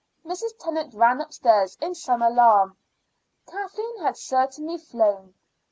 Mrs. Tennant ran upstairs in some alarm. Kathleen had certainly flown.